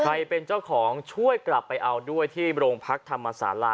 ใครเป็นเจ้าของช่วยกลับไปเอาด้วยที่โรงพักธรรมศาลา